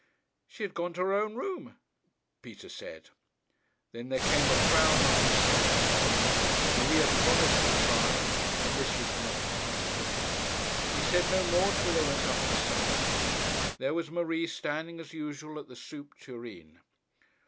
'She had gone to her own room,' Peter said. Then there came a frown on Michel's brow. Marie had promised to try, and this was not trying. He said no more till they went up to supper. There was Marie standing as usual at the soup tureen.